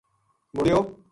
مُڑیو